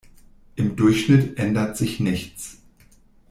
Im Durchschnitt ändert sich nichts.